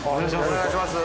お願いします！